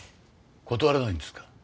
断れないんですか？